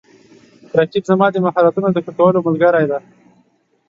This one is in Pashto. رقیب زما د مهارتونو د ښه کولو ملګری دی